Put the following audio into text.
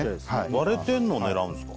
割れてんのを狙うんすか？